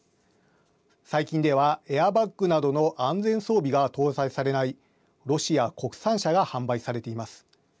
最近では、エアバッグなどの安全装備が搭載されないロシア国産車が販売されています。